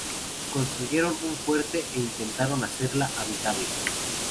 Construyeron un fuerte e intentaron hacerla habitable.